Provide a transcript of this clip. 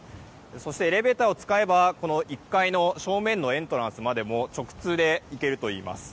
そして、エレベーターを使えば１階の正面のエントランスまでも直通で行けるといいます。